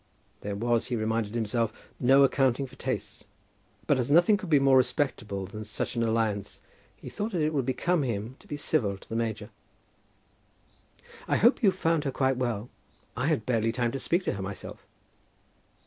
There was, he reminded himself, no accounting for tastes; but as nothing could be more respectable than such an alliance, he thought that it would become him to be civil to the major. "I hope you found her quite well. I had barely time to speak to her myself."